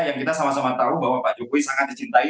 yang kita sama sama tahu bahwa pak jokowi sangat dicintai